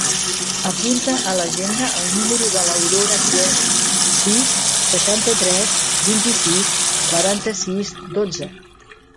Apunta a l'agenda el número de l'Aurora Cuerva: sis, seixanta-tres, vint-i-sis, quaranta-sis, dotze.